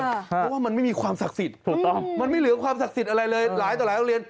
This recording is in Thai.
เพราะว่ามันไม่มีความศักดิ์สิทธิ์ถูกต้องมันไม่เหลือความศักดิ์สิทธิ์อะไรเลยหลายต่อหลายโรงเรียน